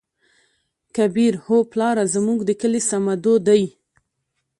کبير : هو پلاره زموږ د کلي صمدو دى.